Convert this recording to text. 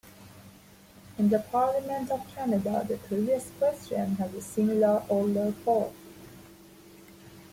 In the Parliament of Canada, the previous question has a similar older form.